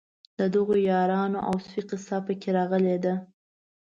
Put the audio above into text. د دغو یارانو او سپي قصه په کې راغلې ده.